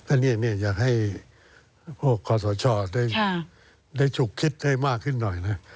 อันนี้อยากให้พวกคอสชได้ฉุกคิดได้มากขึ้นหน่อยนะ